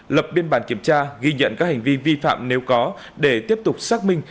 lập biên bản kiểm tra ghi nhận các hành vi vi phạm nếu có để tiếp tục xác minh